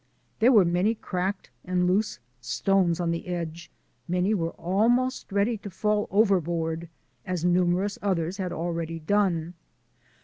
There were many cracked and loose stones on the edge; many were almost ready to fall overboard, as numerous others had already done.